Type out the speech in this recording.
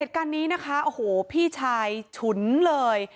เหตุการณ์นี้นะคะโอ้โหพี่ชายฉุนเลย